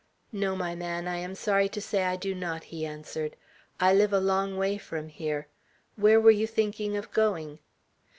"No, my man, I am sorry to say I do not," he answered. "I live a long way from here. Where were you thinking of going?"